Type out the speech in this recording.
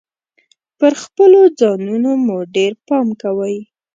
پر خپلو ځانونو مو ډیر پام کوﺉ .